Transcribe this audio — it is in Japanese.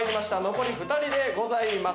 残り２人でございます。